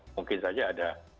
mungkin saja ada